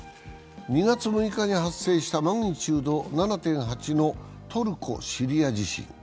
２月６日に発生したマグニチュード７．８のトルコ・シリア地震。